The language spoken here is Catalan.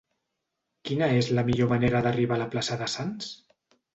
Quina és la millor manera d'arribar a la plaça de Sants?